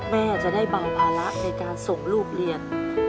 แม่จะได้เบาภาระในการส่งลูกเรียน